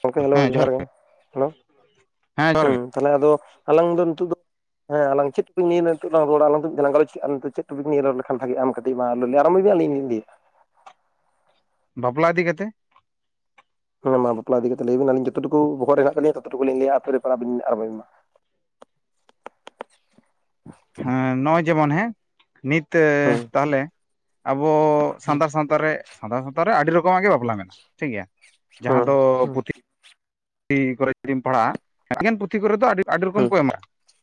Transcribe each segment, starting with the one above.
ᱜᱚᱝᱠᱮ ᱦᱮᱞᱳ ᱡᱚᱦᱟᱨ ᱜᱮ, ᱦᱮᱞᱳ ᱦᱮᱸ ᱡᱚᱦᱟᱨ ᱦᱩᱸ᱾ ᱜᱮ ᱛᱟᱦᱚᱞᱮ ᱟᱫᱚ ᱟᱞᱟᱝ ᱫᱚ ᱱᱤᱛᱚᱜ ᱫᱚ ᱦᱮᱸ ᱟᱞᱟᱝ ᱪᱮᱫ ᱱᱮᱞ ᱞᱟᱝ ᱨᱚᱲᱟ ᱟᱨ ᱞᱟᱝ ᱜᱟᱞᱚᱪ, ᱨᱚᱲ ᱞᱮᱠᱷᱟᱱ ᱵᱷᱟᱜᱤᱼᱟ? ᱟᱢ [inaudible] ᱞᱟᱹᱭ ᱟᱨᱚᱢᱵᱚᱭ ᱵᱤ ᱟᱞᱤᱧ ᱞᱤᱧ ᱞᱟᱭᱮᱜ-ᱟ᱾ ᱵᱟᱯᱞᱟ ᱤᱫᱤ ᱠᱟᱛᱮ᱾ ᱦᱩᱸ ᱢᱟ ᱵᱟᱯᱞᱟ ᱤᱫᱤ ᱠᱟᱛᱮ ᱞᱟᱹᱭᱵᱤᱱ ᱟᱞᱤᱧ ᱡᱚᱛᱚ ᱴᱩᱠᱩ ᱵᱚᱦᱚᱜ ᱨᱮ ᱦᱮᱱᱟᱜ ᱛᱟᱞᱤᱧᱟ ᱚᱠᱛᱚ ᱴᱩᱠᱩ ᱞᱤᱧ ᱞᱟᱹᱭᱟ [unintelligible] ᱢᱟ᱾ ᱦᱮᱸ ᱱᱚᱜᱼᱚᱭ ᱡᱮᱢᱚᱱ ᱦᱮᱸ, ᱱᱤᱛᱟᱹ ᱦᱩᱸ ᱛᱟᱦᱟᱞᱮ ᱟᱵᱚ ᱦᱩᱸ ᱥᱟᱱᱛᱟᱲ ᱥᱟᱶᱛᱟ ᱨᱮ ᱥᱟᱱᱛᱟᱲ ᱥᱟᱶᱛᱟ ᱨᱮ ᱟᱹᱰᱤ ᱨᱚᱠᱚᱢᱟᱜ ᱜᱮ ᱵᱟᱯᱞᱟ ᱢᱮᱱᱟᱜᱼᱟ᱾ ᱴᱷᱤᱠᱜᱮᱭᱟ, ᱡᱟᱦᱟᱸ ᱦᱩᱸ ᱫᱚ ᱦᱩᱸ ᱯᱩᱛᱷᱤ ᱯᱩᱛᱷᱤ ᱠᱚᱨᱮᱡ ᱡᱩᱫᱤᱢ ᱯᱟᱲᱦᱟᱜᱼᱟ, ᱟᱹᱰᱤ ᱜᱟᱱ ᱯᱩᱛᱷᱤ ᱟᱹᱰᱤ ᱨᱚᱠᱚᱢ ᱦᱩᱸ ᱠᱚ ᱮᱢᱟ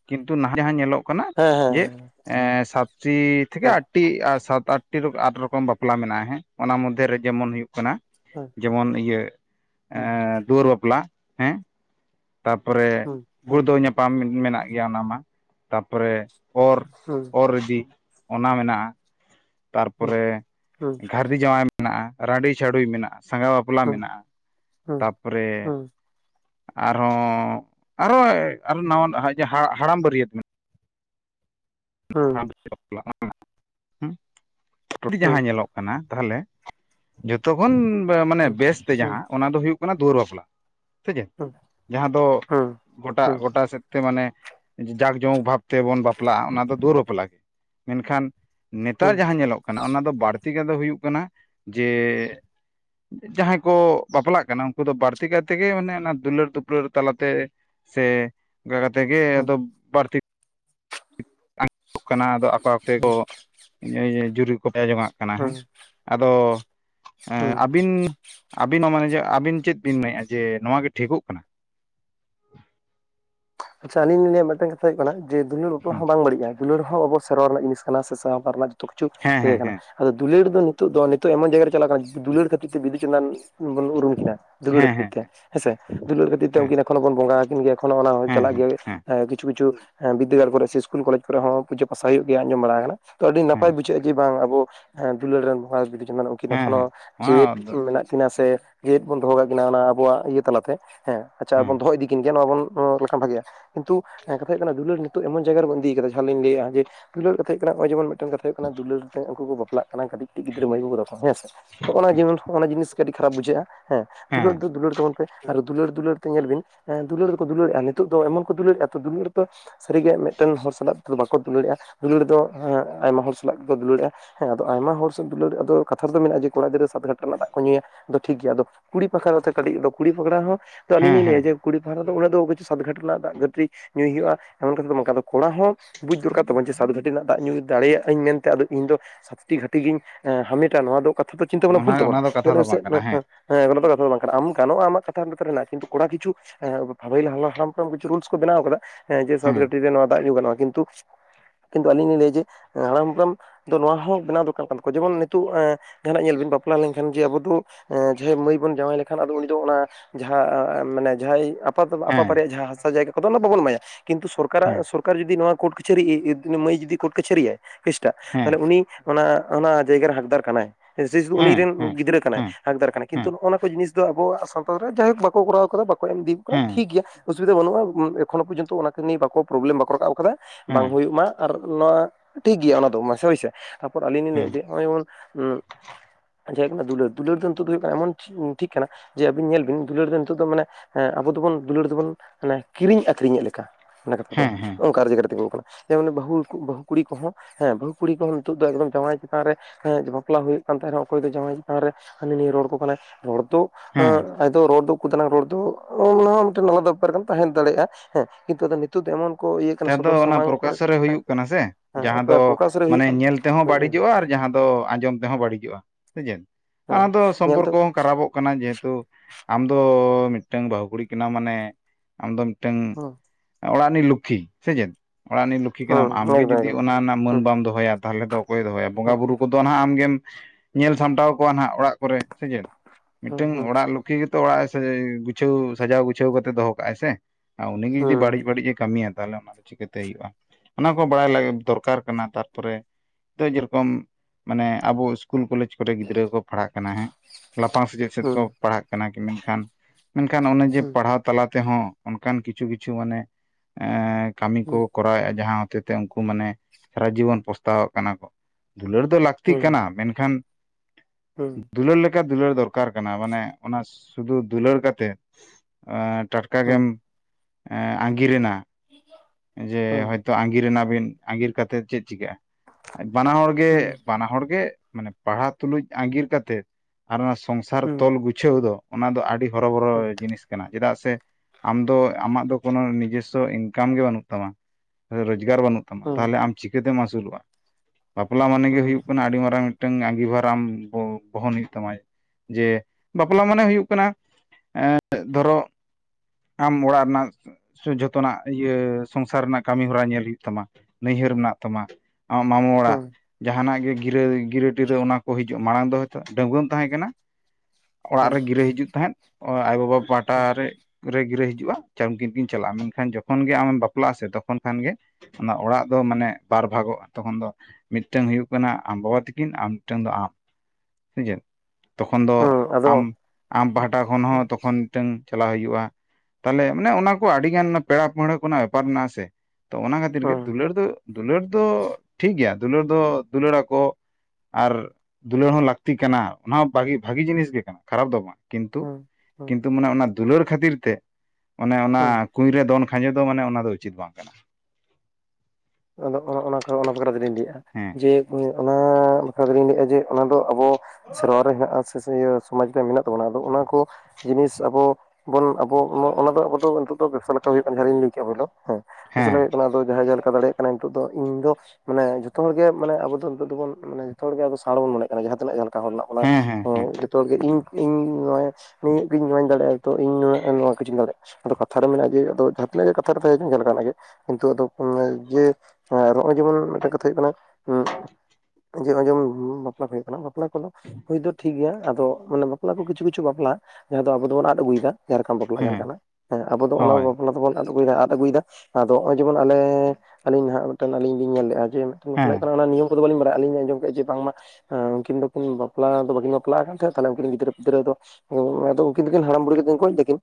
ᱠᱤᱱᱛᱩ ᱱᱟᱦᱟᱜ ᱡᱟᱦᱟᱸ ᱧᱮᱞᱚᱜ ᱠᱚᱱᱟ ᱦᱮᱸ ᱡᱮ ᱦᱮᱸ ᱮᱸ ᱥᱟᱛᱴᱤ ᱛᱷᱮᱠᱮ ᱦᱮᱸ ᱟᱴ ᱴᱴᱤ ᱥᱟᱛ ᱟᱴᱴᱤ ᱟᱴ ᱨᱚᱠᱚᱢ ᱵᱟᱯᱞᱟ ᱢᱮᱱᱟᱜᱼᱟ ᱦᱮᱸ᱾ ᱚᱱᱟ ᱢᱚᱫᱽᱫᱷᱮ ᱨᱮ ᱡᱮᱢᱚᱱ ᱦᱳᱭᱳᱜ ᱠᱟᱱᱟ ᱦᱮᱸ ᱦᱮᱸ ᱡᱮᱢᱚᱱ ᱤᱭᱟᱹ ᱦᱩᱸ ᱫᱩᱣᱟᱹᱨ ᱵᱟᱯᱞᱟ ᱦᱮᱸ᱾ ᱛᱟᱯᱚᱨᱮ ᱦᱩᱸ ᱜᱩᱲ ᱦᱩᱸ ᱫᱚ ᱧᱟᱯᱟᱢ ᱢᱮᱱᱟᱜ ᱜᱮᱭᱟ ᱚᱱᱟ ᱢᱟ, ᱛᱟᱯᱚᱨᱮ ᱦᱩᱸ ᱚᱨ-ᱚᱨ ᱤᱫᱤ ᱚᱱᱟ ᱢᱮᱱᱟᱜᱼᱟ᱾ ᱦᱩᱸ ᱛᱟᱨᱯᱚᱨᱮ ᱦᱩᱸ ᱦᱩᱸ ᱜᱷᱟᱨᱫᱤ ᱡᱟᱶᱟᱭ ᱢᱮᱱᱟᱜᱼᱟ ᱨᱟᱺᱰᱤ ᱪᱷᱟᱹᱰᱩᱭ ᱢᱮᱱᱟᱜᱼᱟ ᱥᱟᱸᱜᱟᱣᱯ ᱯᱚᱞᱟ ᱦᱩᱸ ᱢᱮᱱᱟᱜᱼᱟ, ᱦᱩᱸ ᱛᱟᱯᱚᱨᱮ ᱦᱩᱸ ᱦᱩᱸ ᱟᱨᱦᱚᱸ ᱟᱨᱚᱸ ᱟᱨᱚ ᱱᱟᱣᱟ ᱦᱟᱲᱟᱢ ᱵᱟᱹᱨᱭᱟᱹᱛ ᱢᱮᱱᱟᱜᱼᱟ᱾ ᱦᱩᱸ ᱦᱩᱸ ᱦᱩᱸ [inaudible] ᱡᱟᱦᱟᱸ ᱧᱮᱞᱚᱜ ᱠᱟᱱᱟ ᱛᱟᱦᱟᱞᱮ, ᱡᱚᱛᱚ ᱠᱷᱚᱱ ᱢᱟᱱᱮ ᱵᱮᱥᱛᱮ ᱡᱟᱦᱟᱸ ᱚᱱᱟ ᱫᱚ ᱦᱩᱭᱩᱜ ᱠᱟᱱᱟ ᱫᱩᱣᱟᱹᱨ ᱵᱟᱯᱞᱟ, ᱥᱮ ᱪᱮᱜ? ᱡᱟᱦᱟᱸ ᱫᱚ ᱜᱚᱴᱟ-ᱜᱚᱴᱟ ᱥᱮᱫ ᱛᱮ ᱢᱟᱱᱮ ᱡᱟᱸᱠ ᱡᱚᱢᱚᱠ ᱵᱷᱟᱵ ᱛᱮᱵᱚᱱ ᱵᱟᱯᱞᱟᱜᱼᱟ, ᱚᱱᱟ ᱫᱚ ᱫᱩᱣᱟᱹᱨ ᱵᱟᱯᱞᱟᱜ ᱜᱮ᱾ ᱢᱮᱱᱠᱷᱟᱱ ᱱᱮᱛᱟᱨ ᱦᱩᱸ ᱡᱟᱦᱟᱸ ᱧᱮᱞᱚᱜ ᱠᱟᱱᱟ ᱚᱱᱟ ᱫᱚ ᱵᱟᱹᱲᱛᱤ ᱜᱮᱫ ᱦᱩᱭᱩᱜ ᱠᱟᱱᱟ ᱡᱮ ᱡᱟᱦᱟᱸᱭ ᱠᱚ ᱵᱟᱯᱞᱟᱜ ᱠᱟᱱᱟ ᱩᱝᱠᱩ ᱫᱚ ᱵᱟᱹᱲᱛᱤ ᱠᱟᱭᱛᱮᱜᱮ ᱢᱟᱱᱮ ᱚᱱᱟ ᱫᱩᱞᱟᱹᱲ ᱫᱩᱯᱞᱟᱹᱲ ᱛᱟᱞᱟᱛᱮ ᱥᱮ ᱚᱝᱠᱟ ᱠᱟᱛᱮ ᱜᱮ ᱟᱫᱚ ᱵᱟᱹᱲᱛᱤ [inaudible] ᱠᱟᱱᱟ ᱟᱫᱚ ᱟᱠᱚ ᱟᱠᱚ ᱛᱮ ᱠᱚ ᱡᱩᱨᱤ ᱠᱚ ᱯᱮ ᱡᱚᱝᱼᱟᱜ ᱠᱟᱱᱟ ᱦᱩᱸ ᱦᱩᱸ ᱦᱮᱸ᱾ ᱦᱩᱸ ᱟᱫᱚ ᱦᱩᱸ ᱟᱹᱵᱤᱱ ᱟᱵᱤᱱ ᱦᱚᱸ ᱢᱟᱱᱮ ᱡᱮ ᱟᱵᱤᱱ ᱪᱮᱫ ᱵᱤᱱ ᱢᱮᱱᱮᱫᱼᱟ ᱡᱮ ᱱᱚᱣᱟ ᱜᱮ ᱴᱷᱤᱠᱚᱜ ᱠᱟᱱᱟ? ᱟᱪᱷᱟᱞᱤᱧᱟᱹᱭᱟ ᱢᱤᱫᱴᱟᱝ ᱠᱟᱛᱷᱟ ᱦᱳᱭᱳᱜ ᱠᱟᱱᱟ ᱡᱮ ᱫᱩᱞᱟᱹᱲ ᱵᱟᱯᱞᱟ ᱦᱚᱸ ᱵᱟᱝ ᱵᱟᱹᱲᱤᱡᱼᱟ᱾ ᱫᱩᱞᱟᱹᱲ ᱦᱚᱸ ᱟᱵᱚ ᱥᱮᱨᱣᱟ ᱨᱮᱱᱟᱜ ᱡᱤᱱᱤᱥ ᱠᱟᱱᱟ ᱥᱮ ᱥᱟᱶᱨ ᱨᱮᱱᱟᱜ ᱡᱚᱛᱚ ᱠᱤᱪᱷᱩ ᱦᱮᱸ ᱦᱮᱸ ᱤᱭᱟᱹ ᱠᱟᱱᱟ᱾ ᱦᱮᱸ ᱟᱫᱚ ᱫᱩᱞᱟᱹᱲ ᱫᱚ ᱱᱤᱛᱚᱜ ᱫᱚ ᱱᱤᱛᱚᱜ ᱮᱢᱚᱱ ᱡᱟᱭᱜᱟ ᱨᱮ ᱪᱟᱞᱟᱜ ᱠᱟᱱᱟ ᱫᱩᱞᱟᱹᱲ ᱠᱷᱟᱹᱛᱤᱨ ᱛᱮ ᱵᱤᱫᱩ-ᱪᱟᱸᱫᱟᱱ ᱵᱚᱱ ᱩᱨᱩᱢ ᱠᱤᱱᱟ ᱫᱩᱞᱟᱹᱲ ᱦᱮᱸ ᱠᱷᱟᱹᱛᱤᱨ ᱦᱮᱸ ᱛᱮ ᱦᱮᱸᱥᱮ, ᱫᱩᱞᱟᱹᱲ ᱠᱷᱟᱹᱛᱤᱨ ᱛᱮ ᱦᱮᱸ ᱩᱱᱠᱤᱱ ᱮᱠᱷᱚᱱᱳ ᱵᱚᱱ ᱵᱚᱸᱜᱟ ᱠᱤᱱ ᱜᱮᱭᱟ ᱮᱠᱷᱚᱱᱳ ᱚᱱᱟ ᱦᱮᱸ ᱦᱮᱸ [unintelligible] ᱟ ᱦᱮᱸ ᱠᱤᱪᱷᱩ-ᱠᱤᱪᱷᱩ ᱵᱤᱫᱽᱫᱟᱹᱜᱟᱲ ᱠᱚᱨᱮ ᱥᱮ ᱤᱥᱠᱩᱞ ᱠᱚᱞᱮᱡᱽ ᱠᱚᱨᱮ ᱦᱚᱸ ᱯᱩᱡᱟᱹ ᱯᱟᱥᱟ ᱦᱳᱭᱳᱜ ᱜᱮᱭᱟ ᱟᱸᱡᱚᱢ ᱵᱟᱲᱟ ᱠᱟᱱᱟ᱾ ᱛᱚ ᱟᱹᱰᱤ ᱦᱮᱸ ᱱᱟᱯᱟᱭ ᱵᱩᱡᱷᱟᱹᱜᱼᱟ ᱡᱮ ᱵᱟᱝ ᱟᱵᱚ ᱫᱩᱞᱟᱹᱲ ᱨᱮᱱ [unintelligible] ᱵᱤᱫᱩ ᱪᱟᱸᱫᱟᱱ ᱠᱤᱱ ᱦᱮᱸ ᱮᱠᱷᱚᱱᱚ ᱦᱮᱸ ᱡᱮᱭᱮᱛ ᱚᱱᱟ ᱫᱚ ᱢᱮᱱᱟᱜ ᱠᱤᱱᱟ ᱥᱮ ᱡᱮᱭᱮᱫ ᱵᱚᱱ ᱫᱚᱦᱚ ᱠᱟᱜ ᱠᱤᱱᱟ ᱚᱱᱟ ᱟᱵᱚᱣᱟᱜ ᱤᱭᱟᱹ ᱛᱟᱞᱟᱛᱮ, ᱦᱮᱸ ᱟᱪᱪᱷᱟ ᱟᱵᱚᱱ ᱫᱚᱦᱚ ᱤᱫᱤ ᱠᱤᱱ ᱜᱮᱭᱟ ᱱᱚᱣᱟ ᱵᱚᱱ ᱚ ᱞᱮᱠᱷᱟᱱ ᱵᱷᱟᱜᱮᱭᱟ, ᱠᱤᱱᱛᱩ ᱠᱟᱛᱷᱟ ᱦᱩᱭᱩᱜ ᱠᱟᱱᱟ ᱫᱩᱞᱟᱹᱲ ᱛᱳᱜ ᱮᱢᱚᱱ ᱡᱟᱭᱜᱟ ᱨᱮᱵᱚᱱ ᱤᱫᱤ ᱠᱮᱫᱟ ᱡᱟᱦᱟᱸ ᱞᱤᱧ ᱞᱮᱭᱟ ᱡᱮ ᱫᱩᱞᱟᱹᱲ ᱠᱟᱛᱷᱟ ᱦᱩᱭᱩᱜ ᱠᱟᱱᱟ ᱦᱚᱜᱼᱚᱭ ᱡᱮᱢᱚᱱ ᱢᱤᱫ ᱴᱟᱝ ᱠᱟᱛᱷᱟ ᱦᱩᱭᱩᱜ ᱠᱟᱱᱟ ᱫᱩᱞᱟᱹᱲ ᱛᱮ ᱩᱱᱠᱩ ᱠᱚ ᱵᱟᱯᱞᱟᱜ ᱠᱟᱱᱟ ᱠᱟᱹᱴᱤᱡ ᱠᱟᱹᱴᱤᱡ ᱜᱤᱫᱽᱨᱟᱹᱭ ᱢᱟᱹᱭ ᱵᱟᱹᱵᱩ ᱛᱟᱠᱚ ᱥᱟᱶ ᱦᱮᱸᱥᱮ, ᱦᱚᱜᱼᱚ ᱱᱚᱣᱟ ᱡᱤᱵᱚᱱ ᱦᱚᱜᱼᱚᱱᱟ ᱱᱤᱥ ᱠᱟᱹᱴᱤᱡ ᱠᱷᱟᱨᱟᱯ ᱵᱩᱡᱷᱟᱹᱜᱼᱟ, ᱦᱮᱸ ᱫᱩᱞᱟᱹᱲ ᱫᱚ ᱫᱩᱞᱟᱹᱲ ᱛᱟᱵᱚᱱ ᱯᱮ ᱟᱨ ᱫᱩᱞᱟᱹᱲ ᱫᱩᱞᱟᱹᱲ ᱛᱮ ᱧᱮᱞ ᱵᱤᱱ ᱦᱮᱸ ᱫᱩᱞᱟᱹᱲ ᱫᱚᱠᱚ ᱫᱩᱞᱟᱹᱲᱮᱜᱼᱟ ᱱᱤᱛᱚᱜ ᱫᱚ ᱮᱢᱚᱱ ᱠᱚ ᱫᱩᱞᱟᱹᱲᱭᱮᱜᱼᱟ ᱛᱚ ᱫᱩᱞᱟᱹᱲ ᱛᱚ ᱥᱟᱹᱨᱤᱜᱮ ᱢᱤᱫᱴᱮᱝ ᱦᱚᱲ ᱥᱟᱞᱟᱜ ᱛᱮᱫᱚ ᱵᱟᱠᱚ ᱫᱩᱞᱟᱹᱲᱮᱜᱼᱟ, ᱫᱩᱞᱟᱹᱲ ᱫᱚ ᱦᱮᱸ ᱟᱭᱢᱟ ᱦᱚᱲ ᱥᱟᱞᱟᱜ ᱜᱮᱠᱚ ᱫᱩᱞᱟᱹᱲᱮᱜᱼᱟ ᱾ ᱦᱮᱸ ᱟᱫᱚ ᱟᱭᱢᱟ ᱦᱚᱲ ᱥᱮᱫ ᱫᱩᱞᱟᱹᱲ ᱟᱫᱚ ᱠᱟᱛᱷᱟ ᱨᱮᱫᱚ ᱢᱮᱱᱟᱜᱼᱟ ᱡᱮ ᱠᱚᱲᱟ ᱜᱤᱫᱨᱟᱹ ᱥᱟᱛ ᱜᱷᱟᱴ ᱨᱮᱱᱟᱜ ᱫᱟᱜ ᱠᱚ ᱧᱩᱭᱟ, ᱟᱫᱚ ᱴᱷᱤᱠ ᱜᱮᱭᱟ ᱟᱫᱚ ᱠᱩᱲᱤ ᱯᱟᱠᱷᱟᱨᱟᱛᱮ ᱠᱟᱹᱴᱤᱡ ᱫᱚ ᱠᱩᱲᱤ ᱯᱟᱠᱷᱬᱟ ᱦᱚᱸ ᱛᱚ ᱦᱮᱸ ᱟᱹᱞᱤᱧ ᱞᱤᱧ ᱦᱮᱸ ᱞᱮᱭᱟ ᱡᱮ ᱠᱩᱲᱤ ᱯᱟᱦᱟᱨᱟ ᱫᱚ ᱩᱱᱟᱹᱜ ᱫᱚ ᱥᱟᱫᱷ ᱜᱷᱟᱰ ᱨᱮᱱᱟᱜ ᱫᱟᱜ ᱜᱟᱹᱴᱤ ᱧᱩᱭ ᱦᱩᱭᱩᱜᱼᱟ ᱮᱢᱚᱱ ᱠᱟᱛᱷᱟ ᱫᱚ ᱵᱟᱝ ᱠᱟᱱᱟ ᱠᱚᱲᱟ ᱦᱚᱸ ᱵᱩᱡ ᱫᱚᱨᱠᱟᱨ ᱛᱟᱵᱚᱱ ᱡᱮ ᱥᱟᱫᱷ ᱜᱷᱟᱹᱴᱤ ᱱᱟᱜ ᱫᱟᱜ ᱧᱩ ᱫᱟᱲᱮᱭᱟᱜ ᱟᱹᱧ ᱢᱮᱱᱛᱮ ᱟᱫᱚ ᱤᱧ ᱫᱚ ᱥᱟᱛᱴᱤ ᱜᱷᱟᱴᱤ ᱜᱤᱧ ᱮ ᱦᱟᱢᱮᱴᱟ ᱱᱚᱣᱟ ᱫᱚ ᱠᱟᱛᱷᱟ ᱫᱚ ᱪᱤᱱᱛᱟᱹ ᱵᱷᱟᱵᱱᱟ ᱚᱱᱟ ᱵᱷᱩᱞ ᱛᱟᱵᱚᱱ ᱚᱱᱟ ᱫᱚ ᱠᱟᱛᱷᱟ ᱪᱮᱫᱟᱜ ᱞᱟᱹᱭ ᱫᱚ ᱢᱮᱥᱮ ᱵᱟᱝ ᱠᱟᱱᱟ [inaudible] ᱦᱮᱸ ᱚᱱᱟ ᱫᱚ ᱠᱟᱛᱷᱟ ᱫᱚ ᱵᱟᱝ ᱠᱟᱱᱟ, ᱟᱢ ᱜᱟᱱᱚᱜᱼᱟ ᱟᱢᱟᱜ ᱠᱟᱛᱷᱟ ᱱᱚᱛᱮ ᱨᱮ ᱦᱮᱱᱟᱜᱼᱟ ᱠᱤᱱᱛᱩ ᱠᱚᱲᱟ ᱠᱤᱪᱷᱩ ᱮᱸ [unintelligible] ᱠᱷᱟᱢ ᱛᱚᱢ ᱠᱤᱪᱩ ᱨᱩᱞᱥ ᱠᱚ ᱵᱮᱱᱟᱣ ᱠᱟᱫᱟ ᱦᱮᱸ ᱡᱮ ᱥᱟᱫᱷᱽ ᱜᱷᱟᱹᱰᱤ ᱨᱮ ᱱᱚᱣᱟ ᱫᱟᱜ ᱧᱩ ᱜᱟᱱᱚᱜᱼᱟ, ᱠᱤᱱᱛᱩ ᱠᱤᱱᱛᱩ ᱟᱞᱤᱧ ᱞᱤᱧ ᱞᱟᱹᱭᱟ ᱡᱮ ᱦᱟᱲᱟᱢ ᱦᱟᱯᱲᱟᱢ ᱫᱚ ᱱᱚᱣᱟ ᱦᱚᱸ ᱵᱮᱱᱟᱣ ᱫᱚᱨᱠᱟᱨ ᱠᱟᱱ ᱛᱟᱠᱚᱣᱟ, ᱡᱮᱢᱚᱱ ᱱᱤᱛᱳᱜ ᱟ ᱡᱟᱦᱟᱱᱟᱜ ᱧᱮᱞ ᱵᱤᱱ ᱵᱟᱯᱞᱟ ᱞᱮᱝᱠᱷᱟᱱ ᱡᱮ ᱟᱵᱚ ᱫᱚ ᱮᱸ ᱡᱟᱦᱟᱸᱭ ᱢᱟᱹᱭ ᱵᱚᱱ ᱡᱟᱶᱟᱭ ᱞᱮᱠᱷᱟᱱ ᱟᱫᱚ ᱩᱱᱤ ᱫᱚ ᱚᱱᱟ ᱡᱟᱦᱟᱸ ᱟᱻ ᱢᱟᱱᱮ ᱡᱟᱦᱟᱸᱭ ᱟᱯᱟᱛ ᱟᱯᱟ ᱦᱮᱸ ᱵᱟᱨᱮᱭᱟᱜ ᱡᱟᱦᱟᱸ ᱦᱟᱥᱟ ᱡᱟᱭᱜᱟ ᱠᱚᱫᱚ ᱚᱱᱟ ᱵᱟᱵᱚᱱ ᱮᱢᱟᱭᱟ ᱾ ᱠᱤᱱᱛᱩ ᱦᱮᱸ ᱥᱚᱨᱠᱟᱨᱟᱜ ᱥᱚᱨᱠᱟᱨ ᱡᱩᱫᱤ ᱱᱚᱣᱟ ᱠᱳᱴ ᱠᱟᱹ ᱪᱟᱹᱨᱤ ᱤᱫ ᱢᱟᱹᱭ ᱡᱩᱫᱤ ᱠᱳᱴ ᱠᱟᱹᱪᱟᱹᱨᱤᱭᱟ ᱯᱮᱥᱴᱟᱜ ᱦᱮᱸ ᱛᱟᱦᱚᱞᱮ ᱩᱱᱤ ᱚᱱᱟ ᱚᱱᱟ ᱡᱟᱭᱜᱟᱨᱮ ᱦᱟᱠᱫᱟᱨ ᱠᱟᱱᱟᱭ ᱾ ᱡᱮᱡ ᱩᱱᱤ ᱦᱮᱸ ᱨᱮᱱ ᱦᱮᱸ ᱜᱤᱫᱽᱨᱟᱹ ᱠᱟᱱᱟᱭ ᱦᱮᱸ ᱦᱟᱠᱫᱟᱨ ᱠᱟᱱᱟᱭ ᱦᱮᱸ ᱠᱤᱱᱛᱩ ᱱᱚᱜᱼᱚ ᱱᱟ ᱠᱚ ᱡᱤᱱᱤᱥ ᱫᱚ ᱟᱵᱚᱣᱟᱜ ᱥᱟᱱᱛᱟ ᱨᱮ ᱡᱟᱭ ᱦᱳᱠ ᱵᱟᱠᱚ ᱠᱚᱨᱟᱣ ᱠᱟᱫᱟ ᱵᱟᱠᱚ ᱮᱢ ᱤᱫᱤᱣ ᱠᱚᱣᱟ ᱦᱮᱸ ᱴᱷᱤᱠ ᱜᱮᱭᱟ ᱚᱥᱩᱵᱤᱫᱟ ᱵᱟᱹᱱᱩᱜᱼᱟ ᱮᱠᱷᱚᱱᱳ ᱯᱚᱨᱡᱚᱱᱛᱚ ᱚᱱᱟ ᱠᱚ ᱱᱤᱭᱮ ᱵᱟᱠᱚ ᱯᱨᱚᱵᱞᱮᱢ ᱵᱟᱠᱚ ᱨᱟᱠᱟᱵ ᱠᱟᱫᱟ ᱵᱟᱝ ᱦᱮᱸ ᱦᱳᱭᱳᱜ ᱢᱟ ᱾ ᱟᱨ ᱚᱱᱟ ᱴᱷᱤᱠ ᱜᱮᱭᱟ ᱚᱱᱟᱫᱚ ᱢᱟᱥᱮ ᱦᱳᱭ ᱥᱮ, ᱛᱟᱯᱚᱨ ᱟᱹᱞᱤᱧ ᱞᱤᱧ ᱞᱮᱭᱟ ᱦᱮᱸ ᱡᱮ ᱦᱚᱜᱼᱚᱭ ᱡᱮᱢᱚᱱ ᱩᱸ ᱡᱟᱦᱟᱭ ᱦᱳᱭᱳᱜ ᱠᱟᱱᱟ ᱫᱩᱞᱟᱹᱲ, ᱫᱩᱞᱟᱹᱲ ᱫᱚ ᱱᱤᱛᱚᱜ ᱫᱚ ᱦᱩᱭᱩᱜ ᱠᱟᱱᱟ ᱮᱢᱚᱱ ᱴᱷᱤᱣ ᱴᱷᱤᱠ ᱠᱟᱱᱟ ᱾ ᱡᱮ ᱟᱵᱤᱱ ᱧᱮᱞ ᱵᱤᱱ ᱫᱩᱞᱟᱹᱲ ᱫᱚ ᱱᱤᱛᱚᱜ ᱫᱚ ᱢᱟᱱᱮ ᱦᱮᱸ ᱟᱵᱚ ᱫᱚᱵᱚᱱ ᱫᱩᱞᱟᱹᱲ ᱫᱚᱵᱚᱱ ᱚᱱᱟ ᱠᱤᱨᱤᱧ ᱟᱠᱷᱨᱤᱧᱮᱫ ᱞᱮᱠᱟ ᱚᱱᱟ ᱠᱟᱛᱷᱟ ᱫᱚ ᱦᱮᱸ ᱦᱮᱸ ᱚᱱᱠᱟ ᱡᱟᱭᱜᱟ ᱨᱮ ᱛᱮᱝᱜᱳ ᱠᱟᱱᱟ᱾ ᱡᱮ ᱩᱱᱤ ᱵᱟᱹᱦᱩ ᱵᱟᱹᱦᱩ ᱠᱩᱲᱤ ᱠᱚᱦᱚᱸ ᱦᱮᱸ ᱵᱟᱹᱦᱩ ᱠᱩᱲᱤ ᱠᱚᱦᱚᱸ ᱱᱤᱛᱚᱜ ᱫᱚ ᱮᱠᱫᱚᱢ ᱡᱟᱶᱟᱭ ᱪᱮᱛᱟᱱ ᱨᱮ ᱦᱮᱸ ᱵᱟᱯᱞᱟ ᱦᱩᱭᱩᱜ ᱠᱟᱱ ᱛᱟᱭ ᱨᱮᱦᱚᱸ ᱚᱠᱚᱭ ᱫᱚ ᱡᱟᱶᱟᱭ ᱪᱮᱛᱟᱱ ᱨᱮ ᱦᱟᱹᱱᱤ ᱱᱟᱹᱭᱮ ᱨᱚᱬ ᱟᱠᱚ ᱠᱟᱱᱟᱭ ᱨᱚᱬ ᱫᱚ ᱟᱸ ᱦᱮᱸ ᱟᱭᱫᱚ ᱨᱚᱬ ᱫᱚ ᱩᱠᱩᱫᱟᱱᱟᱝ ᱨᱚᱬ ᱫᱚ [unintelligible] ᱴᱟᱱ ᱟᱞᱟᱫᱟ ᱵᱮᱯᱟᱨ ᱠᱟᱱᱟ ᱛᱟᱦᱮᱸ ᱫᱟᱲᱮᱭᱟᱜᱼᱟ ᱦᱮᱸ, ᱠᱤᱱᱛᱩ ᱟᱫᱚ ᱱᱤᱛ ᱛᱩᱫ ᱫᱚ ᱮᱢᱚᱱ ᱠᱚ ᱤᱭᱟᱹᱜ ᱠᱟᱱᱟ ᱱᱮᱛᱟᱨ ᱫᱚ ᱥᱚᱫᱚᱨ ᱚᱱᱟ ᱥᱟᱢᱟᱝ ᱠᱚᱨᱮ ᱯᱨᱚᱠᱟᱥᱚ ᱨᱮ ᱦᱮᱸ ᱦᱩᱭᱩᱜ ᱠᱟᱱᱟ ᱥᱮ ᱡᱟᱦᱟᱸ ᱟᱯᱮᱭᱟᱜ ᱯᱚᱠᱟᱥᱨᱮ ᱦᱩᱭᱩᱜ ᱠᱟᱱᱟ [inaudible] ᱡᱟᱸᱦᱟᱸ ᱫᱚ ᱟᱸᱡᱚᱢ ᱛᱮᱦᱚᱸ ᱵᱟᱹᱲᱤᱡᱚᱜᱼᱟ ᱥᱮᱡᱮᱫ! ᱦᱮᱸ ᱚᱱᱟᱫᱚ ᱧᱮᱞ ᱛᱮ ᱥᱚᱢᱯᱚᱨᱠᱚ ᱦᱚᱸ ᱠᱷᱟᱨᱟᱵᱚᱜ ᱠᱟᱱᱟ ᱡᱮᱦᱮᱛᱩ ᱟᱢ ᱫᱚ ᱢᱤᱫᱴᱟᱝ ᱵᱟᱹᱦᱩ ᱠᱩᱲᱤ ᱠᱟᱱᱟᱢ ᱢᱟᱱᱮ ᱟᱢ ᱫᱚ ᱢᱤᱫᱴᱟᱹᱝ ᱦᱮᱸ ᱚᱲᱟᱜ ᱱᱤᱡ ᱞᱩᱠᱠᱷᱤ ᱥᱮ ᱪᱮᱫ ᱚᱲᱟᱜ ᱱᱤᱡ ᱞᱩᱠᱷ ᱠᱷᱤ ᱠᱟᱱᱟᱢ, ᱦᱮᱸ ᱟᱢᱜᱮ ᱮᱠᱫᱚᱢ ᱡᱩᱫᱤ ᱮᱠᱫᱚᱢ ᱚᱱᱟ ᱱᱟᱜ ᱢᱟᱹᱱ ᱦᱮᱸ ᱵᱟᱢ ᱫᱚᱦᱚᱭᱟ ᱛᱟᱦᱟᱞᱮ ᱫᱚ ᱚᱠᱚᱭᱮ ᱫᱚᱦᱚᱭᱟ ᱵᱚᱸᱜᱟ ᱵᱩᱨᱩ ᱠᱚᱫᱚ ᱱᱟᱜ ᱟᱢᱜᱮᱢ ᱧᱮᱞ ᱥᱟᱢᱴᱟᱣ ᱠᱚᱣᱟ ᱱᱟᱦᱟᱜ ᱚᱲᱟᱜ ᱠᱚᱨᱮ ᱥᱮ ᱪᱮ! ᱦᱮᱸ ᱢᱤᱫᱴᱟᱹᱝ ᱦᱮᱸ ᱚᱲᱟᱜ ᱞᱚᱠ ᱠᱷᱤ ᱜᱮᱛᱚ ᱚᱲᱟᱜ ᱮ ᱥᱮ ᱜᱩᱪᱷᱟᱹᱣ ᱥᱟᱡᱟᱣ ᱜᱩᱪᱷᱟᱹᱣ ᱠᱟᱛᱮ ᱫᱚᱦᱚ ᱠᱟᱜᱼᱟᱭ ᱥᱮ ᱾ ᱟ ᱩᱱᱤ ᱜᱮ ᱡᱩᱫᱤ ᱦᱮᱸ ᱵᱟᱹᱲᱤᱡ ᱵᱟᱹᱲᱤᱡᱼ ᱮ ᱠᱟᱹᱢᱤᱭᱟ, ᱛᱟᱦᱚᱞᱮ ᱚᱱᱟ ᱫᱚ ᱪᱤᱠᱟᱹᱛᱮ ᱦᱩᱭᱩᱜᱼᱟ, ᱚᱱᱟ ᱠᱚᱦᱚᱸ ᱵᱟᱲᱟᱭ ᱞᱟ ᱫᱚᱨᱠᱟᱨ ᱠᱟᱱᱟ ᱛᱟᱨᱯᱚᱨᱮ ᱛᱮ ᱡᱮᱨᱚᱠᱚᱢ ᱢᱟᱱᱮ ᱟᱵᱚ ᱤᱥᱠᱩᱞ ᱠᱚᱞᱮᱡᱽ ᱠᱚᱨᱮ ᱜᱤᱫᱽᱨᱟᱹ ᱠᱚᱠᱚ ᱯᱷᱟᱲᱦᱟᱜ ᱠᱟᱱᱟ ᱦᱮᱸ ᱞᱟᱯᱷᱟᱝ ᱥᱮᱡᱮᱫ ᱥᱮᱫ ᱠᱚ ᱦᱮᱸ ᱦᱮᱸ ᱯᱟᱲᱦᱟᱜ ᱠᱟᱱᱟ ᱠᱤ ᱢᱮᱱᱠᱷᱟᱱ ᱢᱮᱱᱠᱷᱟᱱ ᱚᱱᱮ ᱡᱮ ᱯᱟᱲᱦᱟᱣ ᱛᱟᱞᱟ ᱛᱮᱦᱚᱸ ᱚᱱᱠᱟᱱ ᱠᱤᱪᱷᱩ ᱠᱤᱪᱷᱩ ᱢᱟᱱᱮ ᱮᱸᱻ ᱠᱟᱹᱢᱤ ᱠᱚ ᱠᱚᱨᱟᱣᱮᱜᱼᱟ ᱡᱟᱦᱟᱸ ᱦᱚᱛᱮᱜ ᱛᱮ ᱩᱝᱠᱩ ᱢᱟᱱᱮ ᱥᱟᱨᱟ ᱡᱤᱵᱚᱱ ᱯᱚᱥᱛᱟᱶᱜ ᱠᱟᱱᱟ ᱠᱚ, ᱫᱩᱞᱟᱹᱲ ᱫᱚ ᱞᱟᱠ ᱛᱤ ᱦᱮᱸ ᱦᱮᱸ ᱠᱟᱱᱟ ᱢᱮᱱᱠᱷᱟᱱ ᱦᱮᱸ ᱫᱩᱞᱟᱹᱲ ᱞᱮ ᱠᱟ ᱫᱩᱞᱟᱹᱲ ᱫᱚᱨᱠᱟᱨ ᱠᱟᱱᱟ ᱢᱟᱱᱮ ᱚᱱᱟ ᱥᱩᱫᱩ ᱫᱩᱞᱟᱹᱲ ᱠᱟᱛᱮ ᱮᱸ ᱴᱟᱴ ᱦᱮᱸ ᱦᱮᱸ ᱠᱟᱜᱮᱢ ᱮᱸ ᱟᱸᱜᱤᱨᱮᱱᱟ᱾ ᱡᱮ ᱦᱮᱸ ᱦᱚᱭᱛᱚ ᱟᱸᱜᱤᱨᱮᱱᱟᱵᱤᱱ, ᱟᱸᱜᱤᱨ ᱠᱟᱛᱮ ᱪᱮᱫ ᱪᱤᱠᱟᱹᱜᱼᱟ? ᱵᱟᱱᱟ ᱦᱚᱲ ᱜᱮ ᱦᱮᱸ ᱦᱮᱸ ᱵᱟᱱᱟ ᱦᱚᱲ ᱜᱮ ᱢᱟᱱᱮ ᱯᱟᱲᱦᱟᱜ ᱛᱩᱞᱩᱡ ᱟᱸᱜᱤᱨ ᱠᱟᱛᱮᱫ ᱟᱨ ᱚᱱᱟ ᱥᱚᱝᱥᱟᱨ ᱛᱚᱞ ᱦᱮᱸ ᱜᱩᱪ ᱪᱷᱟᱹᱣ ᱫᱚ ᱚᱱᱟ ᱫᱚ ᱟᱹᱰᱤ ᱦᱚᱨᱚᱵᱚᱨᱚ ᱡᱤᱱᱤᱥ ᱠᱟᱱᱟ᱾ ᱪᱮᱫᱟᱜ ᱥᱮ ᱟᱢ ᱫᱚ ᱟᱢᱟᱜ ᱫᱚ ᱠᱳᱱᱳ ᱱᱤᱡᱮᱥᱥᱚ ᱤᱱᱠᱟᱢ ᱜᱮ ᱵᱟᱹᱱᱩᱜ ᱛᱟᱢᱟ᱾ ᱨᱚᱡᱽᱜᱟᱨ ᱵᱟᱹᱱᱩᱜ ᱛᱟᱢᱟ, ᱛᱟᱦᱚᱞᱮ ᱟᱢ ᱪᱤᱠᱟᱹᱛᱮᱢ ᱟᱹᱥᱩᱞᱚᱜᱼᱟ? ᱵᱟᱯᱞᱟ ᱢᱟᱱᱮ ᱜᱮ ᱦᱩᱭᱩᱜ ᱠᱟᱱᱟ ᱟᱹᱰᱤ ᱢᱟᱨᱟᱝ ᱴᱟᱝ ᱟᱸᱜᱤᱵᱷᱟᱨ ᱟᱢ ᱵᱚ ᱵᱚᱦᱚᱱ ᱦᱩᱭᱩᱜ ᱛᱟᱢᱟ, ᱡᱮ ᱵᱟᱯᱞᱟ ᱢᱟᱱᱮ ᱦᱩᱭᱩᱜ ᱠᱟᱱᱟ ᱮᱸ ᱫᱷᱚᱨᱚ ᱟᱢ ᱚᱲᱟᱜ ᱨᱮᱱᱟᱜ ᱥᱮ ᱡᱚᱛᱚᱱᱟᱜ ᱤᱭᱟᱹ ᱥᱚᱝᱥᱟᱨ ᱨᱮᱱᱟᱜ ᱠᱟᱹᱢᱤ ᱦᱚᱨᱟ ᱧᱮᱞ ᱦᱩᱭᱩᱜ ᱛᱟᱢᱟ, ᱱᱟᱹᱭᱦᱟᱹᱨ ᱢᱮᱱᱟᱜ ᱛᱟᱢᱟ, ᱟᱢᱟᱜ ᱢᱟᱢᱚ ᱚᱲᱟᱜ, ᱦᱮᱸ ᱡᱟᱦᱟᱱᱟᱜ ᱜᱮ ᱜᱤᱨᱟᱹ ᱜᱤᱨᱟᱹ ᱴᱤᱨᱟᱹ ᱚᱱᱟ ᱠᱚ ᱦᱤᱡᱩᱜᱼᱟ ᱢᱟᱲᱟᱝ ᱫᱚ ᱦᱚᱭᱛᱚ ᱰᱟᱹᱝᱣᱟᱹᱢ ᱛᱟᱦᱮᱸ ᱠᱟᱱᱟ ᱚᱲᱟᱜ ᱦᱮᱸ ᱨᱮ ᱜᱤᱨᱟᱹ ᱦᱤᱡᱩᱜ ᱛᱟᱦᱮᱸᱫ ᱚ ᱟᱭᱳ ᱵᱟᱵᱟ ᱯᱟᱦᱴᱟ ᱨᱮ ᱨᱮ ᱜᱤᱨᱟᱹ ᱦᱤᱡᱩᱜᱼᱟ ᱪᱷᱟ ᱩᱠᱤᱱ ᱠᱤᱱ ᱪᱟᱞᱟᱜᱼᱟ, ᱢᱮᱱᱠᱷᱟᱱ ᱡᱚᱠᱷᱚᱱ ᱜᱮ ᱟᱢᱮᱢ ᱵᱟᱯᱞᱟᱜᱼᱟ ᱥᱮ ᱛᱚᱠᱷᱚᱱ ᱠᱷᱟᱱ ᱜᱮ ᱚᱱᱟ ᱚᱲᱟᱜ ᱫᱚ ᱢᱟᱱᱮ ᱵᱟᱨ ᱵᱷᱟᱜᱚᱜᱼᱟ ᱛᱚᱠᱷᱚᱱ ᱫᱚ ᱢᱤᱫᱴᱟᱝ ᱦᱩᱭᱩᱜ ᱠᱟᱱᱟ ᱟᱢ ᱵᱟᱵᱟ ᱛᱟᱤᱠᱤᱱ ᱟᱨ ᱢᱤᱫᱴᱟᱝ ᱫᱚ ᱟᱢ᱾ ᱵᱩᱡᱷᱟᱹᱣ, ᱛᱚᱠᱷᱚᱱ ᱫᱚ ᱦᱮᱸ ᱟᱫᱚ ᱟᱢ ᱟᱢ ᱦᱮᱸ ᱯᱟᱦᱴᱟ ᱠᱷᱚᱱ ᱦᱚᱸ ᱛᱚᱠᱷᱚᱱ ᱴᱟᱝ ᱪᱟᱞᱟᱣ ᱦᱩᱭᱩᱜᱼᱟ, ᱛᱟᱦᱚᱞᱮ ᱢᱟᱱᱮ ᱚᱱᱟ ᱠᱚ ᱟᱹᱰᱤ ᱜᱟᱱ ᱚᱱᱟ ᱯᱮᱲᱟ ᱯᱟᱺᱦᱲᱦᱟᱹ ᱠᱚᱨᱮᱱᱟᱜ ᱵᱮᱯᱟᱨ ᱢᱮᱱᱟᱜ ᱥᱮ᱾ ᱛᱚ ᱚᱱᱟ ᱠᱷᱟᱹᱛᱤᱨ ᱜᱮ ᱦᱮᱸ ᱫᱩᱞᱟᱹᱲ ᱫᱚ ᱫᱩᱞᱟᱹᱲ ᱫᱚ ᱴᱷᱤᱠ ᱜᱮᱭᱟ ᱫᱩᱞᱟᱹᱲ ᱫᱚ ᱫᱩᱞᱟᱹᱲ ᱟᱠᱚ, ᱟᱨ ᱫᱩᱞᱟᱹᱲ ᱦᱚᱸ ᱞᱟᱹᱠᱛᱤ ᱠᱟᱱᱟ ᱚᱱᱟ ᱦᱚᱸ ᱵᱷᱟᱜᱮ ᱵᱷᱟᱜᱮ ᱡᱤᱱᱤᱥ ᱜᱮ ᱠᱟᱱᱟ ᱠᱷᱟᱨᱟᱯ ᱫᱚ ᱵᱟᱝ᱾ ᱠᱤᱱᱛᱩ, ᱦᱮᱸ ᱠᱤᱱᱛᱩ ᱢᱟᱱᱮ ᱚᱱᱟ ᱫᱩᱞᱟᱹᱲ ᱠᱷᱟᱹᱛᱤᱨ ᱛᱮ, ᱚᱱᱮ ᱚᱱᱟ ᱦᱮᱸ ᱠᱩᱸᱧ ᱨᱮ ᱫᱚᱱ ᱠᱷᱟᱸᱡᱚ ᱫᱚ ᱢᱟᱱᱮ ᱚᱱᱟ ᱫᱚ ᱩᱪᱤᱛ ᱵᱟᱝ ᱠᱟᱱᱟ᱾ ᱟᱫᱚ ᱚᱱᱟ ᱚᱱᱟ ᱚᱱᱟ ᱵᱟᱠᱷᱨᱟ ᱛᱮᱞᱤᱧ ᱞᱟᱹᱭᱮᱫᱼᱟ ᱦᱮᱸ ᱡᱮ ᱮᱸ ᱚᱱᱟ [inaudible] ᱞᱟᱹᱭᱮᱫᱼᱟ ᱡᱮ ᱚᱱᱟ ᱫᱚ ᱟᱵᱚ ᱥᱮᱨᱣᱟ ᱨᱮ ᱦᱮᱱᱟᱜ-ᱟ ᱥᱮ ᱤᱭᱟᱹ ᱥᱚᱢᱟᱡ ᱨᱮ ᱢᱮᱱᱟᱜ ᱛᱟᱵᱚᱱᱟ, ᱟᱫᱚ ᱚᱱᱟ ᱠᱚ ᱡᱤᱱᱤᱥ ᱟᱵᱚ ᱵᱚᱱ ᱟᱵᱚ ᱚᱱᱟ ᱚᱱᱟ ᱫᱚ ᱟᱵᱚ ᱫᱚ ᱱᱤᱛᱳᱜ ᱫᱚ ᱵᱮᱵᱽᱥᱟ ᱞᱮᱠᱟ ᱦᱩᱭᱩᱜ ᱠᱟᱱᱟ ᱡᱟᱦᱟᱸ ᱞᱤᱧ ᱞᱟᱹᱭ ᱠᱮᱫ ᱟᱵᱚ ᱫᱚ, ᱦᱮᱸ ᱦᱮᱸ ᱟᱥᱚᱞᱮ ᱦᱩᱭᱩᱜ ᱠᱟᱱᱟ ᱟᱫᱚ ᱡᱟᱦᱟᱸᱭ ᱢᱟᱦᱟᱸ ᱞᱮᱠᱟ ᱫᱟᱲᱮᱭᱟᱜ ᱠᱟᱱᱟ ᱱᱤᱛᱚᱜ ᱫᱚ ᱤᱧ ᱫᱚ ᱢᱟᱱᱮ ᱡᱚᱛᱚ ᱦᱚᱲ ᱜᱮ ᱢᱟᱱᱮ ᱟᱵᱚ ᱫᱚ ᱱᱤᱛᱚᱜ ᱫᱚᱵᱚᱱ ᱢᱟᱱᱮ ᱡᱷᱚᱛᱚ ᱦᱚᱲ ᱜᱮ ᱟᱫᱚ ᱥᱟᱬ ᱵᱚᱱ ᱢᱚᱱᱮᱜ ᱠᱟᱱᱟ ᱡᱟᱦᱟᱸ ᱛᱤᱱᱟᱹᱜ ᱡᱟᱦᱟᱸ ᱞᱮ ᱠᱟ ᱦᱚᱲ ᱦᱮᱱᱟᱜ ᱵᱚᱱᱟ ᱦᱮᱸ ᱡᱷᱚᱛᱚ ᱦᱚᱲ ᱜᱮ ᱤᱧ ᱤᱧ ᱱᱚᱜ-ᱚᱭ ᱱᱤᱭᱟᱹ ᱜᱤᱧ ᱱᱚᱣᱟᱧ ᱫᱟᱲᱮᱭᱟᱜᱼᱟ ᱛᱚ ᱤᱧ ᱱᱩᱱᱟᱹᱜ ᱱᱚᱣᱟ ᱠᱤᱪᱷᱩᱧ ᱫᱟᱲᱮᱭᱟᱜᱼᱟ᱾ ᱟᱫᱚ ᱠᱟᱛᱷᱟ ᱨᱮ ᱢᱮᱱᱟᱜᱼᱟ ᱡᱮ ᱟᱫᱚ ᱡᱟᱦᱟᱸ ᱛᱤᱱᱟᱹᱜ ᱜᱮ ᱠᱟᱛᱷᱟ ᱨᱮ ᱛᱟᱦᱮᱸ ᱦᱚᱪᱚᱱ ᱡᱟᱦᱟᱸ ᱞᱮᱠᱟᱱᱟᱜ ᱜᱮ, ᱠᱤᱱᱛᱩ ᱟᱫᱚ ᱡᱮ ᱦᱮᱸ ᱟᱨ ᱦᱚᱸᱜᱼᱚᱭ ᱡᱮᱢᱚᱱ ᱢᱤᱫᱴᱮᱱ ᱠᱟᱛᱷᱟ ᱦᱩᱭᱩᱜ ᱠᱟᱱᱟᱮ ᱩᱸ ᱡᱮ ᱦᱚᱸᱜᱼᱚᱭ ᱡᱮ ᱵᱟᱯᱞᱟ ᱠᱚ ᱦᱩᱭᱩᱜ ᱠᱟᱱᱟ ᱵᱟᱯᱞᱟ ᱠᱚᱫᱚ ᱦᱩᱭ ᱫᱚ ᱴᱷᱤᱠ ᱜᱮᱭᱟ ᱟᱫᱚ ᱢᱟᱱᱮ ᱵᱟᱯᱞᱟ ᱠᱚ ᱠᱤᱪᱷᱩ ᱠᱤᱪᱷᱩ ᱵᱟᱯᱞᱟ ᱡᱟᱦᱟᱸ ᱫᱚ ᱟᱵᱚ ᱫᱚᱵᱚᱱ ᱟᱫ ᱟᱹᱜᱩᱭᱮᱫᱟ᱾ ᱡᱟᱦᱟᱸ ᱞᱮᱠᱟᱢ ᱵᱟᱯᱞᱟ ᱡᱟᱦᱟᱸ ᱦᱮᱸ ᱞᱮᱠᱟᱱᱟᱜ, ᱦᱮᱸ ᱟᱵᱚ ᱫᱚ ᱚᱱᱟ ᱠᱚ ᱦᱳᱭ ᱵᱟᱯᱞᱟ ᱫᱚᱵᱚᱱ ᱟᱫ ᱟᱜᱩᱭᱫᱟ ᱟᱝ ᱟᱹᱜᱩᱭᱮᱫᱟ᱾ ᱟᱫᱚ ᱦᱚᱸᱜᱼᱚᱭ ᱡᱮᱢᱚᱱ ᱟᱞᱮ ᱟᱹᱞᱤᱧ ᱱᱟᱦᱟᱜ ᱢᱤᱫᱴᱟᱝ ᱟᱞᱤᱧ ᱞᱤᱧ ᱧᱮᱞ ᱞᱮᱼᱟ ᱡᱮ ᱵᱟᱯᱟᱞᱥ ᱦᱮᱸ ᱦᱩᱭᱩᱜ ᱠᱟᱱᱟ ᱚᱱᱟ ᱱᱤᱭᱚᱢ ᱠᱚᱫᱚ ᱵᱟᱞᱤᱧ ᱵᱟᱰᱟᱭᱟ ᱟᱞᱤᱧ ᱞᱤᱧ ᱟᱸᱡᱚᱢ ᱠᱟᱜ-ᱟ ᱡᱮ ᱵᱟᱝᱢᱟ ᱮᱸ ᱩᱱᱠᱤᱱ ᱫᱚᱠᱤᱱ ᱵᱟᱯᱞᱟ ᱫᱚ ᱵᱟᱠᱤᱱ ᱵᱟᱯᱞᱟ ᱠᱟᱱ ᱛᱟᱸᱦᱮᱫ ᱛᱟᱦᱞᱮ ᱩᱱᱠᱤᱱ ᱜᱤᱫᱽᱨᱟᱹ ᱯᱤᱫᱽᱨᱟᱹ ᱫᱚ ᱡᱮᱢᱚᱱ ᱟᱫᱚ ᱩᱠᱤᱱ ᱫᱩᱠᱤᱱ ᱦᱟᱲᱟᱢ ᱵᱩᱲᱤ ᱠᱟᱛᱮ ᱠᱤᱱ ᱜᱚᱡ ᱱᱟᱠᱤᱡ ᱦᱮᱸ᱾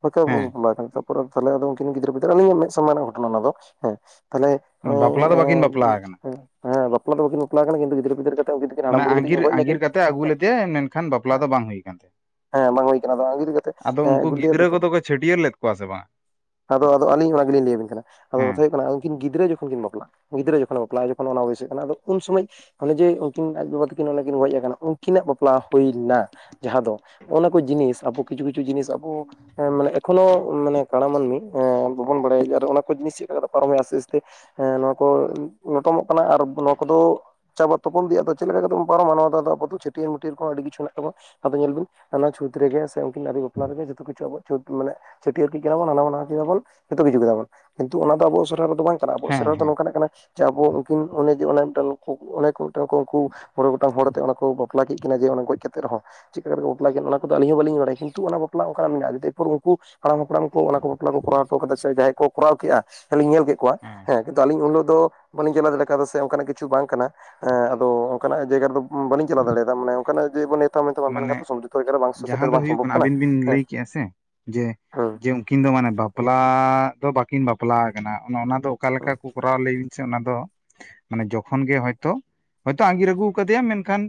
[inaudible] ᱦᱮᱸ ᱵᱟᱯᱞᱟ ᱠᱟᱱᱟ ᱛᱟᱯᱚᱨ ᱛᱟᱞᱦᱮ ᱟᱫᱚ ᱩᱱᱠᱤᱱ ᱜᱤᱫᱨᱟᱹ ᱯᱤᱫᱽᱟᱹᱨ ᱟᱞᱤᱧᱟᱜ ᱢᱮᱫ ᱥᱟᱢᱟᱝ ᱨᱮᱱᱟᱜ ᱜᱷᱚᱴᱱᱟ ᱚᱱᱟ ᱫᱚ ᱦᱮᱸ᱾ ᱛᱟᱦᱚᱞᱮ ᱚᱱᱮ ᱵᱟᱯᱞᱟ ᱫᱚ ᱵᱟᱹᱠᱤᱱ ᱵᱟᱯᱞᱟ ᱟᱠᱟᱱᱟ [inaudible] ᱦᱮᱸ ᱵᱟᱯᱞᱟ ᱫᱚ ᱵᱟᱹᱠᱤᱱ ᱵᱟᱯᱞᱟ ᱠᱟᱱᱟ ᱠᱤᱱᱛᱩ ᱜᱤᱫᱽᱨᱟᱹ ᱜᱤᱫᱽᱨᱟᱹ ᱠᱟ ᱢᱟᱱᱮ ᱟᱸᱜᱤᱨ ᱟᱸᱜᱤᱨ ᱠᱟᱛᱮ ᱟᱹᱜᱩ ᱞᱮᱫᱮᱟᱭ ᱢᱮᱱᱠᱷᱟᱱ ᱵᱟᱯᱞᱟ ᱫᱚ ᱵᱟᱝ ᱦᱩᱭ ᱠᱟᱱ ᱛᱟᱭᱟ᱾ ᱦᱮᱸ ᱵᱟᱝ ᱦᱩᱭ ᱠᱟᱱᱟ ᱟᱫᱚ ᱟᱸᱜᱤᱨ ᱠᱟᱛᱮ ᱟᱫᱚ ᱮᱸ ᱩᱱᱠᱩ ᱟᱹᱜᱩ ᱞᱟᱫᱮᱭᱟ ᱜᱤᱫᱽᱨᱟᱹ [inaudible] ᱠᱚᱫᱚ ᱠᱚ ᱪᱷᱟᱹᱴᱭᱟᱹᱨ ᱞᱮᱫ ᱠᱚᱣᱟ ᱥᱮ ᱵᱟᱝ ᱟᱫᱚ ᱟᱫᱚ ᱟᱞᱤᱧ ᱦᱚᱸ ᱚᱱᱟ ᱜᱮᱞᱤᱧ ᱞᱟᱹᱭᱟᱵᱤᱱ ᱠᱟᱱᱟ ᱟᱫᱚ ᱦᱮᱸ ᱠᱟᱛᱷᱟ ᱦᱩᱭᱩᱜ ᱠᱟᱱᱟ ᱠᱤᱱ ᱜᱤᱫᱽᱨᱟᱹ ᱡᱚᱠᱷᱚᱱ ᱠᱤᱱ ᱵᱟᱯᱞᱟ ᱜᱤᱫᱽᱨᱟᱹ ᱡᱚᱠᱷᱚᱱ ᱵᱟᱯᱞᱟ ᱡᱚᱠᱷᱚᱱ ᱚᱱᱟ ᱵᱚᱭᱮᱥ ᱦᱩᱭᱩᱜ ᱠᱟᱱᱟ ᱟᱫᱚ ᱩᱱ ᱥᱚᱢᱚᱭ ᱚᱱᱮ ᱡᱮ ᱩᱱᱠᱤᱱ ᱟᱡ ᱵᱟᱵᱟ ᱛᱟᱹᱠᱤᱱ ᱠᱤᱱ ᱜᱚᱡ ᱟᱠᱟᱱᱟ ᱩᱱᱠᱤᱱᱟᱜ ᱵᱟᱯᱞᱟ ᱦᱩᱭᱱᱟ ᱡᱟᱦᱟᱸ ᱫᱚ ᱦᱚᱜ ᱱᱚᱣᱟ ᱠᱚ ᱡᱤᱱᱤᱥ ᱟᱵᱚ ᱠᱤᱪᱷᱩ ᱠᱤᱪᱷᱩ ᱡᱤᱱᱤᱥ ᱟᱵᱚ ᱢᱟᱱᱮ ᱮᱠᱷᱚᱱᱳ ᱢᱟᱱᱮ ᱠᱟᱬᱟ ᱢᱟᱹᱱᱢᱤ ᱮ ᱵᱟᱵᱚᱱ ᱵᱟᱲᱟᱭᱟ ᱟᱨ ᱚᱱᱟ ᱠᱚ ᱡᱤᱱᱤᱥ ᱪᱮᱫ ᱞᱮᱠᱟ ᱠᱟᱛᱮ ᱯᱟᱨᱚᱢ ᱦᱩᱭᱩᱜ ᱟ ᱡᱟᱥᱛᱮ ᱮ ᱱᱚᱣᱟ ᱠᱚ ᱞᱚᱴᱚᱢᱚᱜ ᱠᱟᱱᱟ ᱟᱨ ᱱᱚᱣᱟ ᱠᱚᱫᱚ ᱪᱟᱵᱟᱜ ᱛᱟᱵᱚᱱ ᱜᱮᱭᱟ ᱟᱫᱚ ᱪᱮᱫ ᱞᱮᱠᱟ ᱠᱟᱛᱮᱵᱚᱱ ᱯᱟᱨᱚᱢᱟ ᱱᱚᱣᱟ ᱫᱚ ᱟᱫᱚ ᱟᱵᱚ ᱫᱚ ᱪᱷᱴᱤᱭᱟᱹᱨ ᱢᱟᱹᱴᱟᱹᱭᱟᱨ ᱠᱚ ᱟᱹᱰᱤ ᱠᱤᱪᱷᱩ ᱢᱮᱱᱟᱜ ᱛᱟᱵᱚᱣᱟ ᱾ ᱟᱫᱚ ᱧᱮᱞ ᱵᱤᱱ ᱚᱱᱟ ᱪᱷᱩᱸᱛ ᱨᱮᱜᱮ ᱥᱮ ᱩᱱᱠᱤᱱ ᱟᱹᱣᱨᱤ ᱵᱟᱯᱞᱟ ᱨᱮᱜᱮ ᱡᱷᱚᱛᱚ ᱠᱤᱪᱷᱩ ᱟᱵᱚᱣᱟᱜ ᱪᱷᱩᱛ ᱢᱟᱱᱮ ᱪᱟᱹᱴᱭᱟᱨ ᱠᱮᱫᱠᱤᱱᱟ ᱵᱚ ᱦᱟᱱᱟ ᱵᱟᱝ ᱱᱟᱣᱟ ᱠᱤᱱᱟ ᱵᱚᱱ ᱡᱷᱚᱛᱚ ᱠᱤᱪᱷᱩ ᱠᱮᱫᱟᱵᱚᱱ ᱠᱤᱱᱛᱩ ᱚᱱᱟ ᱫᱚ ᱟᱵᱚ ᱥᱮᱨᱣᱟ ᱨᱮᱫᱚ ᱵᱟᱝᱠᱟᱱᱟ ᱟᱵᱚᱣᱟᱜ ᱦᱮᱸ ᱥᱮᱣᱟ ᱨᱮ ᱫᱚ ᱦᱮᱸ ᱱᱚᱝᱠᱟᱱᱟᱜ ᱠᱟᱱᱟ ᱡᱮ ᱟᱵᱚ ᱩᱱᱠᱤᱱ ᱚᱱᱮ ᱡᱮ ᱚᱱᱮ ᱢᱤᱫᱴᱟᱝ ᱩᱱᱠᱩ ᱢᱚᱬᱮ ᱜᱚᱴᱟᱝ ᱦᱚᱲᱛᱮ ᱚᱱᱟ ᱠᱚ ᱵᱟᱯᱞᱟ ᱠᱮᱫ ᱠᱤᱱᱟ ᱡᱮ ᱜᱚᱡ ᱠᱟᱛᱮᱜ ᱨᱮᱦᱚᱸ, ᱪᱮᱫ ᱞᱮᱠᱟ ᱠᱟᱛᱮ ᱠᱚ ᱵᱟᱯᱞᱟ ᱠᱮᱫ ᱚᱱᱟ ᱠᱚᱫᱚ ᱟᱹᱞᱤᱧ ᱦᱚᱸ ᱵᱟᱹᱞᱤᱧ ᱵᱟᱲᱟᱭᱟ ᱠᱤᱱᱛᱩ ᱚᱱᱟ ᱵᱟᱯᱞᱟ ᱚᱱᱠᱱᱟᱜ ᱢᱮᱱᱟᱜᱼᱟ ᱮᱨᱯᱚᱨ ᱩᱱᱠᱩᱼᱼ ᱦᱟᱲᱟᱢ ᱦᱟᱯᱲᱟᱢ ᱠᱚ ᱚᱱᱟ ᱠᱚ ᱵᱟᱯᱞᱟ ᱠᱚᱨᱟᱣ ᱦᱚᱴᱚ ᱠᱟᱫᱟ ᱥᱮ ᱡᱟᱦᱟᱸᱭ ᱠᱚᱨᱟᱣ ᱠᱮᱫᱼᱟ ᱟᱞᱤᱧ ᱧᱮᱞ ᱠᱮᱫ ᱠᱚᱣᱟ ᱦᱮᱸ ᱠᱤᱱᱛᱩ ᱟᱹᱞᱤᱧ ᱩᱱᱟᱜ ᱫᱚ ᱵᱟᱹᱞᱤᱧ ᱪᱟᱞᱟᱣ ᱫᱟᱲᱮ ᱠᱟᱣᱫᱟ ᱥᱮ ᱚᱱᱠᱟᱱᱟᱜ ᱠᱤᱪᱷᱩ ᱵᱟᱝ ᱠᱟᱱᱟ ᱟᱫᱚ ᱚᱱᱠᱟᱱᱟᱜ ᱡᱟᱭᱜᱟ ᱨᱮᱫᱚ ᱵᱟᱹᱞᱤᱧ ᱪᱟᱞᱟᱣ ᱫᱟᱲᱮᱭᱟᱫᱟ ᱢᱟᱱᱮᱼᱼ ᱠᱟᱱᱟ ᱡᱮ ᱢᱟᱱᱮ᱾ ᱛᱟ ᱢᱮᱱᱛᱮ ᱵᱟᱢ ᱛᱟᱦᱮᱱ ᱢᱟᱱᱮ ᱠᱟᱛᱮ ᱥᱚᱢᱡᱚᱛᱚ ᱡᱟᱭᱜᱟ ᱨᱮ ᱡᱟᱦᱟᱸ ᱥᱮᱴᱮᱨ ᱫᱚ ᱵᱟᱝ ᱦᱩᱭᱩᱜ ᱥᱚᱢᱵᱷᱚᱵ ᱠᱟᱱᱟ ᱟᱹᱵᱤᱱ ᱵᱤᱱ ᱦᱮ ᱞᱟᱹᱭ ᱠᱮᱜᱼᱟ ᱥᱮ ᱡᱮ ᱦᱩᱸᱼᱼ ᱡᱮ ᱩᱱᱠᱤᱱ ᱫᱚ ᱢᱟᱱᱮ ᱵᱟᱯᱞᱟ ᱫᱚ ᱵᱟᱹᱠᱤᱱ ᱵᱟᱯᱞᱟ ᱟᱠᱟᱱᱟ ᱚᱱᱮ ᱚᱱᱟ ᱫᱚ ᱚᱠᱟ ᱞᱮᱠᱟ ᱠᱚᱼᱼ ᱠᱚᱨᱟᱣ ᱞᱟᱹᱭᱵᱤᱱ ᱥᱮ ᱚᱱᱟ ᱫᱚ? ᱢᱟᱱᱮ ᱡᱚᱠᱷᱚᱱ ᱜᱮ ᱦᱳᱭᱛᱳ ᱦᱳᱭᱛᱳ ᱟᱸᱜᱤᱨ ᱟᱹᱜᱩ ᱠᱟᱫᱮᱭᱟ ᱢᱮᱱᱠᱷᱟᱱᱼᱼ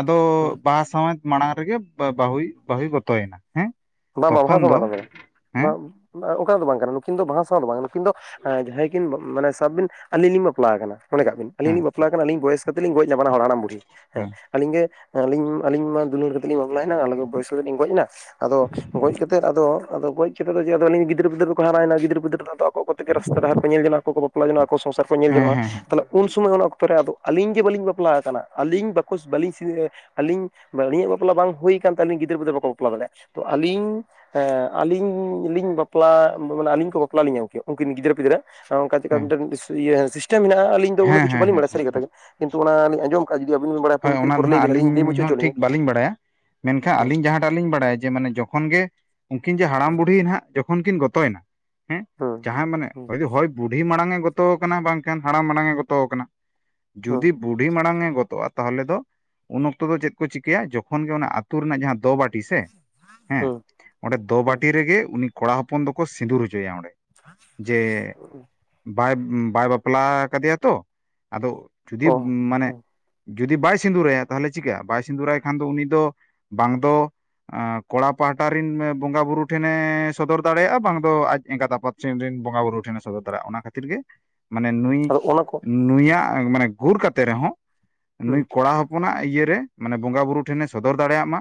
ᱟᱫᱚ ᱦᱩᱸ ᱵᱟᱹᱦᱟ ᱥᱟᱶᱮᱫ ᱢᱟᱲᱟᱝ ᱨᱮᱜᱮ ᱵᱟᱹᱦᱩᱭ ᱵᱟᱹᱦᱩᱭ ᱜᱚᱛᱚᱭᱮᱱᱟ ᱦᱮᱸᱼᱼ ᱵᱟ ᱵᱟ ᱚᱱᱟ ᱫᱚ ᱟᱞᱟᱫᱟ [inaudible] ᱚᱠᱟ ᱫᱚ ᱵᱟᱝ ᱠᱟᱱᱟ ᱱᱩᱠᱤᱱ ᱫᱚ ᱵᱟᱦᱟ ᱥᱟᱶ ᱫᱚ ᱵᱟᱝ ᱱᱩᱠᱤᱱ ᱫᱚ ᱡᱟᱦᱟᱸᱭ ᱠᱤᱱ ᱢᱟᱱᱮ ᱥᱟᱵ ᱵᱤᱱ ᱟᱹᱞᱤᱧ ᱞᱤᱧ ᱵᱟᱯᱞᱟ ᱠᱟᱱᱟ ᱢᱚᱱᱮ ᱠᱟᱜ ᱵᱤᱱ ᱟᱹᱧ ᱦᱮᱸ ᱞᱤᱧ ᱵᱟᱯᱞᱟ ᱠᱟᱱᱟ ᱟᱞᱤᱧ ᱵᱚᱭᱮᱥ ᱠᱟᱛᱮ ᱞᱤᱧ ᱜᱚᱡ ᱱᱟ ᱦᱟᱲᱟᱢ ᱵᱩᱰᱷᱤ ᱦᱮ ᱦᱮᱸ ᱟᱞᱤᱧ ᱜᱮ ᱟᱞᱤᱧ ᱢᱟ ᱫᱩᱞᱟᱹᱲ ᱠᱟᱛᱮᱫ ᱵᱟᱯᱞᱟᱭ ᱱᱟ ᱵᱚᱭᱚᱭ ᱠᱟᱛᱮ ᱞᱤᱧ ᱜᱚᱡ ᱮᱱᱟ ᱟᱫᱚ ᱜᱚᱡᱽ ᱠᱟᱛᱮ ᱛᱮᱫ ᱟᱫᱚ ᱟᱫᱚ ᱜᱚᱡ ᱠᱟᱛᱮ ᱫᱚ ᱡᱮ ᱟᱞᱤᱧ ᱜᱤᱫᱟᱹᱨᱼ ᱯᱤᱫᱽᱟᱹ ᱫᱚᱠᱚ ᱦᱟᱨᱟᱭᱱᱟ ᱜᱤᱫᱟᱹᱨ ᱯᱤᱫᱟᱹᱨᱟᱹ ᱫᱚ ᱟᱫᱚ ᱟᱠᱚ ᱛᱮᱜᱮ ᱨᱟᱥᱛᱟ ᱰᱟᱦᱟᱨ ᱠᱚ ᱧᱮᱞ ᱡᱚᱱᱟᱜ ᱟᱠᱚ ᱵᱟᱯᱞᱟ ᱡᱚᱱᱚᱜᱼᱟ ᱥᱚᱝᱥᱟᱨ ᱠᱚ ᱧᱮᱞ ᱦᱮᱸ ᱧᱚᱜᱼᱟ ᱦᱮᱸ ᱦᱮᱸ ᱛᱟᱦᱞᱮᱼ ᱩᱱ ᱥᱚᱢᱚᱭ ᱚᱱᱟ ᱚᱠᱛᱚ ᱨᱮ ᱟᱫᱚ ᱟᱹᱞᱤᱧ ᱜᱮ ᱵᱟᱹᱞᱤᱧ ᱵᱟᱯᱞᱟ ᱟᱠᱟᱱᱟ ᱟᱹᱞᱤᱧ ᱵᱟᱠᱚ ᱵᱟᱹᱞᱤᱧ ᱥᱤᱼᱼ ᱟᱹᱞᱤᱧ ᱟᱹᱞᱤᱧᱟᱜ ᱵᱟᱯᱞᱟ ᱵᱟᱝ ᱦᱩᱭ ᱠᱟᱱ ᱛᱟᱞᱤᱧᱟ ᱜᱤᱫᱟᱹᱨ ᱯᱤᱫᱟᱹᱨ ᱵᱟᱠᱚ ᱵᱟᱯᱞᱟ ᱫᱟᱲᱮᱭᱟᱜᱼᱟ ᱛᱚ ᱟᱹᱞᱤᱧ ᱦᱮᱸ ᱟᱹᱞᱤᱧ ᱞᱤᱧ ᱵᱟᱯᱞᱟ ᱢᱟᱱᱮ ᱟᱹᱞᱤᱧ ᱠᱚ ᱵᱟᱯᱞᱟ ᱞᱤᱧ ᱜᱚᱝᱠᱮ ᱩᱱᱠᱤᱱ ᱜᱤᱫᱽᱨᱟᱹ ᱯᱤᱫᱽᱨᱟᱹ ᱚᱱᱠᱟ ᱪᱮᱠᱟ ᱦᱮᱸ ᱢᱤᱫᱴᱟᱝ ᱤᱭᱟ ᱥᱤᱥᱴᱮᱢ ᱢᱮᱱᱟᱜᱼᱟ ᱟᱞᱤᱧ ᱫᱚ ᱩᱱᱟ. ᱜ ᱦᱮᱸ ᱠᱤᱪᱷᱩ ᱦᱮᱸ ᱵᱟᱞᱤᱧ ᱦᱮᱸ ᱵᱟᱲᱟᱭᱟ ᱦᱮᱸ ᱥᱟᱹᱨᱤ ᱠᱟᱛᱷᱟ ᱜᱮ ᱠᱤᱱᱛᱩ ᱚᱱᱟ ᱞᱤᱧ ᱟᱸᱡᱚᱢᱸ ᱦᱳᱭ ᱚᱱᱟ ᱫᱚ ᱦᱟᱸᱜ ᱟᱹᱞᱤᱧ ᱦᱚᱸ ᱦᱚᱪᱚ ᱞᱤᱧ ᱴᱷᱤᱠ ᱵᱟᱹᱞᱤᱧ ᱵᱟᱲᱟᱭᱟ ᱢᱮᱱᱠᱷᱟᱱ ᱵᱤᱱ ᱟᱹᱞᱤᱧ ᱡᱟᱦᱟᱸᱼᱼ ᱴᱟᱜ ᱞᱤᱧ ᱵᱟᱲᱟᱭᱟ ᱡᱮ ᱢᱟᱱᱮ ᱡᱚᱠᱷᱚᱱ ᱜᱮ ᱩᱱᱠᱤᱱ ᱡᱮ ᱦᱟᱲᱟᱢ ᱵᱩᱲᱦᱤ ᱱᱟᱦ ᱡᱚᱠᱷᱚᱱ ᱠᱤᱱ ᱜᱚᱛᱚᱭᱮᱱᱟᱼᱼ ᱦᱮᱸ ᱦᱩᱸ ᱦᱩᱸ ᱡᱟᱦᱟᱸᱭ ᱢᱟᱱᱮ ᱦᱩᱸ ᱦᱩᱸ ᱦᱚᱭ ᱵᱩᱰᱷᱤ ᱢᱟᱲᱟᱝ ᱮ ᱜᱚᱛᱚ ᱟᱠᱟᱱᱟ ᱵᱟᱝᱠᱷᱟᱱ ᱦᱟᱲᱟᱢ ᱢᱟᱲᱟᱝ ᱮ ᱜᱚᱛᱚ ᱟᱠᱟᱱᱟ ᱦᱩᱸ ᱡᱩᱫᱤ ᱵᱩᱰᱷᱤ ᱢᱟᱲᱟᱝ ᱮ ᱜᱚᱛᱚᱜᱼᱟ ᱛᱟᱦᱚᱞᱮ ᱫᱚ ᱩᱱ ᱚᱠᱛᱚ ᱫᱚ ᱪᱮᱫ ᱠᱚ ᱪᱤᱠᱟᱹᱭᱟ ᱡᱚᱠᱷᱚᱱ ᱜᱮ ᱚᱱᱟ ᱟᱹᱛᱩ ᱨᱮᱱᱟᱜ ᱡᱟᱦᱟᱸ ᱫᱚ ᱵᱟᱴ ᱴᱤ ᱥᱮ ᱦᱮᱸ ᱚᱸᱰᱮ ᱦᱩᱸ ᱦᱩᱸ ᱫᱚᱵᱟᱹᱴᱤ ᱨᱮᱜᱮ ᱩᱱᱤ ᱠᱚᱲᱟ ᱦᱚᱯᱚᱱ ᱫᱚᱠᱚ ᱥᱤᱸᱫᱩᱨ ᱦᱚᱪᱚᱭᱟ ᱚᱸᱰᱮ ᱡᱮ ᱦᱩᱸ ᱵᱟᱭ ᱵᱟᱭ ᱵᱟᱯᱞᱟ ᱠᱟᱫᱮᱭᱟ ᱛᱚ ᱟᱫᱚ ᱡᱩᱫᱤ ᱚ ᱢᱟᱱᱮ ᱦᱩᱸ ᱡᱩᱫᱤ ᱵᱟᱭ ᱥᱤᱸᱫᱩᱨᱟᱭᱟ ᱛᱟᱦᱚᱞᱮ ᱪᱤᱠᱟᱹᱜ ᱵᱟᱭ ᱥᱤᱸᱫᱩᱨᱟᱭ ᱠᱷᱟᱱ ᱫᱚ ᱩᱱᱤ ᱫᱚ ᱵᱟᱝ ᱫᱚᱼᱼ ᱠᱚᱲᱟ ᱯᱟᱹᱦᱴᱟ ᱨᱮᱱ ᱵᱚᱸᱜᱟ ᱵᱩᱨᱳ ᱴᱷᱮᱱᱮ ᱥᱚᱫᱚᱨ ᱫᱟᱲᱮᱭᱟᱜᱼᱟ ᱵᱟᱝ ᱫᱚ ᱟᱡ ᱮᱸᱜᱟᱛ ᱟᱯᱟᱛᱼᱼ ᱥᱮᱱ ᱨᱮᱱ ᱵᱚᱸᱜᱟ ᱵᱩᱨᱩ ᱴᱷᱮᱱᱮ ᱥᱚᱫᱚᱨ ᱫᱚᱨᱮᱭᱟᱜᱼᱟ ᱚᱱᱟ ᱠᱷᱟᱹᱛᱤᱨ ᱜᱮ ᱢᱟᱱᱮ ᱱᱩᱭ ᱟᱫᱚ ᱚᱱᱟ ᱠᱚ ᱱᱩᱭᱟᱜ ᱢᱟᱱᱮ ᱜᱩᱨ ᱠᱟᱛᱮ ᱨᱮᱦᱚᱸ ᱦᱩᱸ ᱱᱩᱭ ᱠᱚᱲᱟ ᱦᱚᱯᱚᱱᱟᱜ ᱤᱭᱟᱹᱨᱮ ᱢᱟᱱᱮ ᱵᱚᱸᱜᱟᱼ ᱵᱩᱨᱩ ᱴᱷᱮᱱᱮ ᱥᱚᱫᱚᱨ ᱫᱟᱲᱮᱭᱟᱜ ᱢᱟᱼᱼ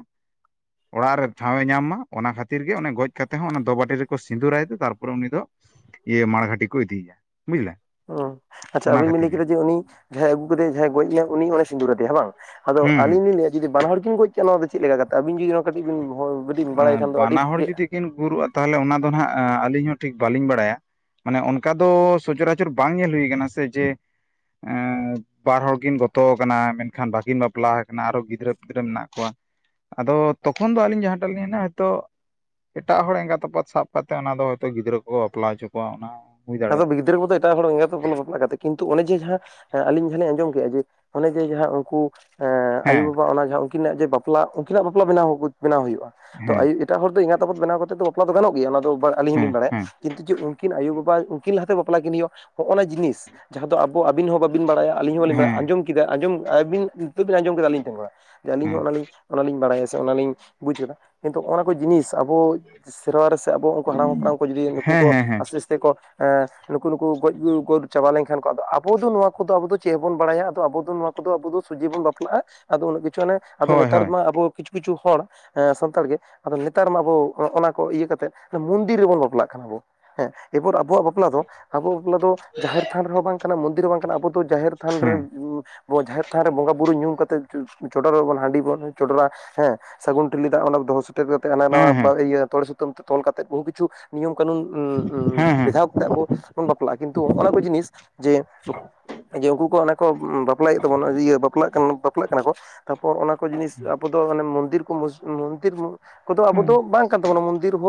ᱚᱲᱟᱜ ᱨᱮ ᱴᱷᱟᱶ ᱮ ᱧᱟᱢ ᱢᱟ ᱚᱱᱟ ᱠᱷᱟᱹᱛᱤᱨ ᱜᱮ ᱚᱱᱮ ᱜᱚᱡ ᱠᱟᱛᱮ ᱦᱚᱸ ᱚᱱᱟ ᱫᱚᱵᱟᱴᱤ ᱨᱮᱠᱚ ᱥᱤᱸᱫᱩᱨᱟᱭ ᱛᱮ ᱛᱟᱨᱯᱚᱨᱮ ᱩᱱᱤ ᱫᱚ ᱤᱭᱟᱹ ᱢᱟᱲᱜᱷᱟᱴᱤ ᱠᱚ ᱤᱫᱤᱭᱮᱭᱟ ᱵᱩᱡᱞᱮ ᱚᱸ ᱟᱪᱪᱷᱟ ᱟᱵᱮᱱ ᱵᱮᱱ ᱞᱟᱹᱭ ᱠᱮᱫᱟ ᱡᱮ ᱩᱱᱤ ᱡᱟᱦᱟᱸᱭ ᱟᱹᱜᱩ ᱠᱮᱫᱮᱭᱟᱭ ᱡᱟᱦᱟᱸᱟᱭ ᱜᱚᱡ ᱱᱟ ᱩᱱᱤ ᱚᱱᱮ ᱥᱤᱸᱫᱩᱨ ᱟᱫᱮᱭᱟ ᱦᱮ ᱵᱟᱝ? ᱟᱫᱚ ᱦᱩᱸ ᱟᱹᱞᱤᱧ ᱞᱤᱧ ᱞᱟᱹᱭᱼᱟ ᱾ ᱡᱩᱫᱤ ᱵᱟᱱᱟ ᱦᱚᱲ ᱠᱤᱱ ᱜᱚᱡ ᱠᱮᱭᱟ᱾ ᱱᱚᱣᱟ ᱫᱚ ᱪᱮᱫ ᱞᱮᱠᱟ ᱠᱟᱛᱮ ᱟᱹᱵᱤᱱ ᱡᱩᱫᱤ ᱱᱚᱣᱟ ᱠᱟᱹᱴᱤᱡ ᱵᱤᱱ [unintelligible] ᱠᱟᱹᱴᱤᱡ ᱵᱤᱱ ᱵᱟᱲᱟᱭ ᱦᱩᱸ ᱠᱷᱟᱱ ᱫᱚ ᱟᱹᱰᱤ ᱵᱟᱱᱟ ᱦᱚᱲ ᱵᱷᱟᱹᱜᱮᱜᱼᱟ᱾ ᱡᱩᱫᱤ ᱠᱤᱱ ᱜᱩᱨᱩᱜᱼᱟ, ᱛᱟᱦᱚᱞᱮ ᱚᱱᱟ ᱫᱚ ᱦᱟᱸᱜ ᱟᱹᱞᱤᱧ ᱦᱚᱸ ᱴᱷᱤᱠ ᱵᱟᱹᱞᱤᱧ ᱵᱟᱲᱟᱭᱟ᱾ ᱢᱟᱱᱮ ᱚᱱᱠᱟ ᱫᱚ ᱥᱚᱪᱚᱨᱟᱪᱚᱨ ᱵᱟᱝ ᱧᱮᱞ ᱦᱩᱭ ᱠᱟᱱᱟ ᱥᱮ ᱡᱮᱼᱼ ᱵᱟᱨ ᱦᱚᱲ ᱠᱤᱱ ᱜᱚᱛᱚ ᱠᱟᱱᱟ ᱾ ᱢᱮᱱᱠᱷᱟᱱ ᱵᱟᱹᱠᱤᱱ ᱵᱟᱯᱞᱟ ᱟᱠᱟᱱᱟ᱾ ᱟᱨᱚ ᱜᱤᱫᱽᱨᱟᱹ ᱯᱤᱫᱽᱨᱟᱹ ᱢᱮᱱᱟᱜ ᱠᱚᱣᱟ᱾ ᱟᱫᱚ ᱛᱚᱠᱷᱚᱱ ᱫᱚ ᱟᱹᱞᱤᱧ ᱡᱟᱦᱟᱸᱴᱟᱜ ᱞᱤᱧ ᱦᱚᱭᱛᱳᱼᱼ ᱮᱴᱟᱜ ᱦᱚᱲ ᱮᱸᱜᱟᱛ ᱟᱯᱟᱛ ᱥᱟᱵ ᱠᱟᱛᱮᱫ ᱚᱱᱟ ᱫᱚ ᱾ ᱦᱳᱭᱛᱳ ᱜᱤᱫᱽᱨᱟᱹ ᱠᱚᱠᱚ ᱵᱟᱯᱞᱟ ᱦᱚᱪᱚ ᱠᱚᱣᱟ ᱚᱱᱟᱼᱼ ᱟᱫᱚ ᱜᱤᱫᱽᱨᱟᱹ ᱠᱚᱫᱚ ᱮᱴᱟᱜ ᱦᱚᱲ ᱮᱸᱜᱟ ᱠᱟᱛᱮ ᱠᱤᱱᱛᱩ ᱚᱱᱮ ᱡᱮ ᱡᱟᱦᱟᱸᱼᱼ ᱦᱮᱸ ᱟᱞᱤᱧ ᱡᱟᱦᱟᱸ ᱞᱤᱧᱸ ᱟᱸᱡᱚᱢ ᱠᱮᱜᱼᱟ ᱡᱮ, ᱚᱱᱮ ᱡᱮ ᱡᱟᱦᱟᱸ ᱩᱱᱠᱩᱼᱼ ᱦᱮᱸ, ᱟᱭᱩ ᱦᱮᱸ ᱵᱟᱵᱟ ᱚᱱᱟ ᱡᱟᱦᱟᱸ ᱩᱱᱠᱤᱱᱟᱜ ᱡᱮ ᱵᱟᱯᱞᱟ, ᱩᱱᱠᱤᱱᱟᱜ ᱵᱟᱯᱞᱟ ᱵᱮ ᱵᱮᱱᱟᱣ ᱦᱩᱭᱩᱜᱼᱟ ᱾ᱛᱚ ᱦᱮᱸ [unintelligible] ᱮᱴᱟᱜ ᱦᱚᱲ ᱫᱚ ᱮᱸᱜᱟ ᱟᱯᱟᱛ ᱵᱮᱱᱟᱣ ᱠᱟᱛᱮ ᱫᱚ ᱵᱟᱯᱞᱟ ᱫᱚ ᱜᱟᱱ ᱜᱮᱭᱟ᱾ ᱚᱱᱟᱫᱚ ᱟᱞᱤᱧ ᱦᱮᱸ ᱦᱚᱸᱞᱤᱧ ᱵᱟᱲᱟᱭᱟ᱾ ᱦᱮᱸ ᱠᱤᱱᱛᱩ ᱡᱮ ᱩᱱᱠᱤᱱ ᱟᱭᱳᱼᱵᱟᱵᱟᱼᱼ ᱩᱱᱠᱤᱱ ᱞᱟᱦᱟᱛᱮ ᱵᱟᱯᱞᱟ ᱠᱤᱱ ᱦᱩᱭᱩᱜᱼᱟ᱾ ᱦᱚᱜᱼᱱᱟ ᱡᱤᱱᱤᱥ ᱡᱟᱦᱟᱸ ᱫᱚ ᱟᱵᱚᱵᱤᱱ ᱦᱚᱸ ᱵᱟᱵᱤᱱ ᱵᱟᱲᱟᱭ ᱟᱞᱤᱧ ᱦᱚᱸ ᱵᱟᱞᱤᱧ ᱵᱟᱲᱟᱭ ᱦᱮᱸ ᱾ ᱟᱸᱡᱚᱢᱼᱼ [unintelligible] ᱟᱸᱡᱚᱢ ᱟᱵᱤᱱ ᱱᱤᱛᱚᱜ ᱵᱤᱱ ᱟᱸᱡᱚᱢ ᱠᱮᱫᱟ᱾ ᱟᱹᱞᱤᱧ ᱴᱷᱮᱱ ᱟᱹᱞᱤᱧ ᱦᱮᱸ ᱦᱚᱸ ᱚᱱᱟᱞᱤᱧᱼᱼ ᱚᱱᱟ ᱞᱤᱧ ᱵᱟᱲᱟᱭᱟ ᱥᱮ, ᱚᱱᱟ ᱞᱤᱧ ᱵᱩᱡ ᱠᱟᱫᱟ ᱠᱤᱱᱛᱩ ᱚᱱᱟ ᱠᱚ ᱡᱤᱱᱤᱥ ᱟᱵᱚᱼᱼ ᱥᱮᱨᱣᱟ ᱨᱮ ᱥᱮ ᱟᱵᱚ ᱩᱱᱠᱩ ᱦᱟᱲᱟᱢ ᱦᱟᱯᱲᱟᱢ ᱠᱚ ᱡᱩᱫᱤ, ᱱᱩᱠᱩ ᱦᱮᱸ ᱠᱚ ᱦᱮᱸ ᱦᱮᱸ ᱟᱥᱤᱥ ᱛᱮ ᱠᱚᱼᱼ ᱮᱸ ᱱᱩᱠᱩ ᱱᱩᱠᱩ ᱜᱚᱡ [unintelligible] ᱪᱟᱵᱟ ᱞᱮᱱᱠᱷᱟᱱ ᱠᱚ᱾ ᱟᱵᱚ ᱫᱚ ᱱᱚᱣᱟ ᱠᱚᱫᱚ ᱟᱵᱚ ᱫᱚ ᱪᱮᱜ ᱦᱚᱸᱵᱚᱱ ᱵᱟᱲᱟᱭᱟ᱾ ᱟᱫᱚ ᱟᱵᱚ ᱫᱚ ᱱᱚᱣᱟᱼᱼ ᱠᱚᱫᱚ ᱟᱵᱚ ᱫᱚ ᱥᱚᱡᱮ ᱵᱚᱱ ᱵᱟᱯᱞᱟᱜᱼᱟ᱾ ᱟᱫᱚ ᱩᱱᱟᱹᱜ ᱠᱤᱪᱷᱩ ᱦᱟᱱᱮ ᱟᱫᱚ ᱦᱳᱭ ᱱᱮᱛᱟᱨ ᱦᱳᱭ ᱢᱟ ᱟᱵᱚ ᱠᱤᱪᱷᱩ ᱠᱤᱪᱷᱩ ᱦᱚᱲᱼᱼ ᱦᱮᱸ ᱥᱟᱱᱛᱟᱲ ᱜᱮ ᱾ ᱟᱫᱚ ᱱᱮᱛᱟᱨ ᱢᱟ ᱟᱵᱚ ᱚᱱᱟ ᱠᱚ ᱤᱭᱟᱹ ᱠᱟᱛᱮᱜ ᱢᱩᱸᱫᱤᱨ ᱨᱮᱵᱚᱱ ᱵᱟᱯᱞᱟᱜ ᱠᱟᱱᱟ ᱵᱚ᱾ ᱦᱮᱸ ᱮᱯᱳᱨ ᱟᱵᱚᱭᱟᱜ ᱵᱚ [unintelligible] ᱵᱟᱯᱞᱟ ᱫᱚ ᱾ ᱟᱵᱚᱭᱟᱜ ᱵᱟᱯᱞᱟ ᱫᱚ, ᱡᱟᱦᱮᱨ ᱛᱷᱟᱱ ᱨᱮᱦᱚᱸ ᱵᱟᱝ ᱠᱟᱱᱟ ᱢᱚᱱᱫᱤᱨ ᱦᱚᱸ ᱵᱟᱝ ᱠᱟᱱᱟ ᱟᱵᱚ ᱫᱚ ᱡᱟᱦᱮᱨ ᱛᱷᱟᱱ ᱨᱮᱼᱼ ᱦᱮᱸ [unintelligible] ᱡᱟᱦᱮᱨ ᱛᱷᱟᱱ ᱨᱮ ᱵᱚᱸᱜᱟᱼᱵᱩᱨᱩ ᱧᱩᱢ ᱠᱟᱛᱮᱫ ᱪᱚᱰᱚᱨ ᱟᱵᱚᱱ᱾ ᱦᱟᱺᱰᱤ ᱵᱚᱱ ᱪᱚᱰᱚᱨᱟ ᱦᱮᱸ᱾ ᱥᱟᱹᱜᱩᱱ ᱴᱷᱤᱞᱤ ᱫᱟᱜ ᱚᱱᱟ ᱫᱚᱦᱚ [unintelligible] ᱠᱟᱛᱮᱜ ᱦᱟᱱᱟ ᱦᱮᱸ ᱱᱟᱣᱟ ᱦᱮᱸ ᱵᱟᱲᱮ ᱤᱭᱟᱹ ᱛᱚᱲᱮ ᱥᱩᱛᱟᱹᱢ ᱛᱮ ᱛᱚᱞ ᱠᱟᱛᱮᱜ, ᱵᱚᱦᱩ ᱠᱤᱪᱷᱩ ᱱᱤᱭᱚᱢ ᱠᱟᱹᱱᱩᱱ ᱦᱮᱸ ᱦᱮᱸ ᱵᱮᱫᱷᱟᱣᱼᱼ ᱛᱮ ᱟᱵᱚ ᱵᱚᱱ ᱵᱟᱯᱞᱟᱜᱼᱟ ᱠᱤᱱᱛᱩ ᱚᱱᱟ ᱠᱚ ᱡᱤᱱᱤᱥ ᱡᱮᱼᱼ ᱡᱮ ᱩᱱᱠᱩ ᱚᱱᱮ ᱠᱚ ᱵᱟᱯᱞᱟᱭᱮᱫ ᱵᱚᱱᱟ [unintelligible] ᱤᱭᱟᱹ ᱵᱟᱯᱞᱟᱜ ᱠᱟᱱ ᱵᱟᱯᱞᱟᱜ ᱠᱟᱱᱟ ᱠᱚ᱾ ᱛᱟᱯᱚᱨ ᱚᱱᱟᱠᱚ ᱡᱤᱱᱤᱥ ᱟᱵᱚ ᱫᱚ ᱚᱱᱮ ᱢᱚᱱᱫᱤᱨ ᱠᱚ ᱢᱚᱥ ᱢᱚᱱᱫᱤᱨᱼᱼ ᱠᱚᱫᱚ ᱟᱵᱚ ᱦᱮᱸ ᱫᱚ ᱵᱟᱝ ᱠᱟᱱ ᱛᱟᱵᱚᱱᱟ᱾ ᱢᱚᱱᱫᱤᱨ ᱦᱚᱸᱼᱼ